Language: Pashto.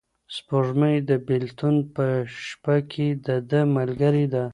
سپوږمۍ د بېلتون په شپه کې د ده ملګرې ده.